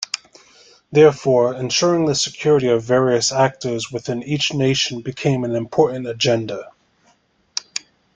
Therefore, ensuring the security of various actors within each nation became an important agenda.